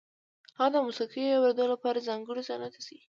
هغه د موسیقۍ اورېدو لپاره ځانګړو ځایونو ته ځي